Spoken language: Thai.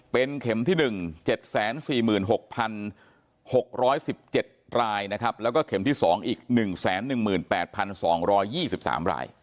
เป็นเข็มที่๑๗๔๖๖๑๗รายนะครับแล้วก็เข็มที่๒อีก๑๑๘๒๒๓ราย